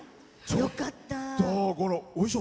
よかったー！